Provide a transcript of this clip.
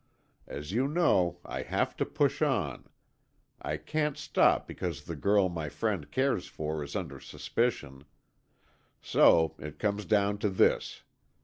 As you know I have to push on; I can't stop because the girl my friend cares for is under suspicion. So, it comes down to this.